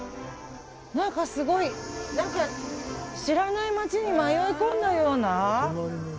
何かすごい知らない街に迷い込んだような。